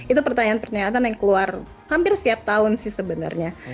itu pertanyaan pertanyaan yang keluar hampir setiap tahun sih sebenarnya